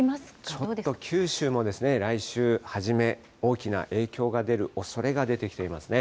ちょっと九州も来週初め、大きな影響が出るおそれが出てきていますね。